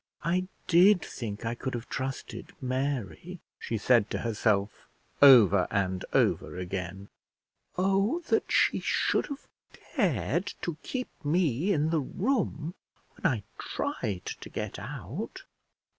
"I did think I could have trusted Mary," she said to herself over and over again. "Oh that she should have dared to keep me in the room when I tried to get out!"